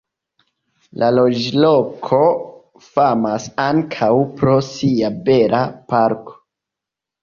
La loĝloko famas ankaŭ pro sia bela parko.